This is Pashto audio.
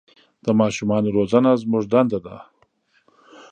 د ماشومان روزنه زموږ دنده ده.